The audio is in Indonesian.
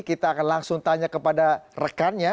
kita akan langsung tanya kepada rekannya